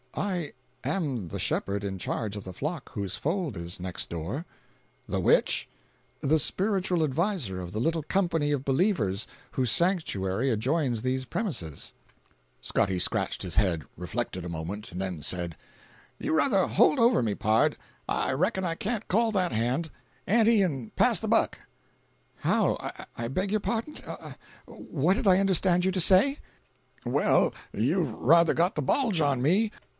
"I am the shepherd in charge of the flock whose fold is next door." "The which?" "The spiritual adviser of the little company of believers whose sanctuary adjoins these premises." 331.jpg (76K) Scotty scratched his head, reflected a moment, and then said: "You ruther hold over me, pard. I reckon I can't call that hand. Ante and pass the buck." "How? I beg pardon. What did I understand you to say?" "Well, you've ruther got the bulge on me.